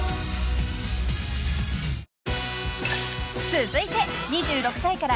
［続いて２６歳から４５歳］